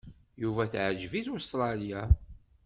Yuba teɛǧeb-it Ustṛalya.